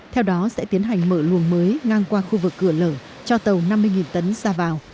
theo đó sẽ tiến hành mở luồng mới ngang qua khu vực cửa lở cho tàu năm mươi tấn ra vào